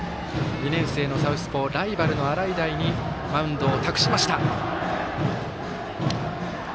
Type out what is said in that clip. ２年生のサウスポーライバルの洗平にマウンドを託しました。